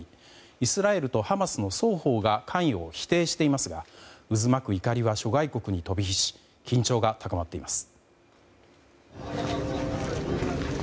イスラエルとハマスの双方が関与を否定していますが渦巻く怒りは諸外国に飛び火し緊張が高まっています。